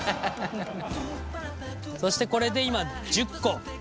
そしてこれで今１０個。